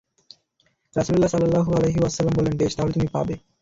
রাসূলুল্লাহ সাল্লাল্লাহু আলাইহি ওয়াসাল্লাম বললেন, বেশ তাহলে তুমি তা পাবে।